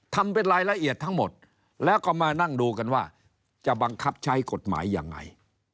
ทำเป็นรายละเอียดทั้งหมดแล้วก็มานั่งดูกันว่าจะบังคับใช้กฎหมายยังไง